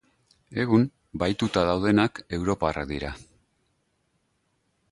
Egun, bahituta daudenak europarrak dira.